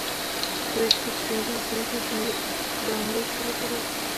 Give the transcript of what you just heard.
د ویښتو د سپینیدو مخنیوي لپاره د املې تېل وکاروئ